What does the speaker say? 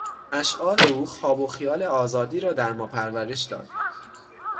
اشعار او خواب و خیال آزادی را در ما پرورش داد.